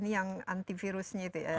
yang antivirusnya itu